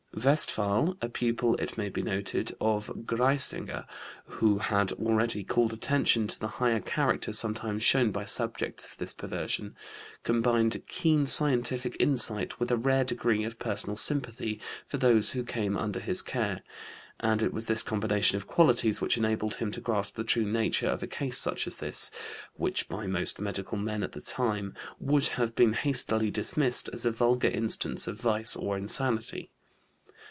Westphal a pupil, it may be noted, of Griesinger, who had already called attention to the high character sometimes shown by subjects of this perversion combined keen scientific insight with a rare degree of personal sympathy for those who came under his care, and it was this combination of qualities which enabled him to grasp the true nature of a case such as this, which by most medical men at that time would have been hastily dismissed as a vulgar instance of vice or insanity.